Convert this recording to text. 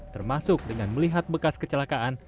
termasuk dengan melihat bekas kecelakaan